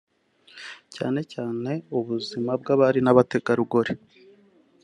cyane cyane ubuzima bw’abari n’abategarugori